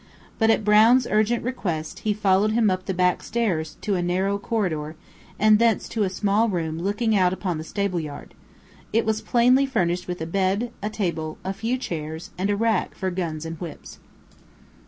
But at Brown's urgent request, he followed him up the back stairs to a narrow corridor, and thence to a small room looking out upon the stable yard. It was plainly furnished with a bed, a table, a few chairs, and a rack for guns and whips.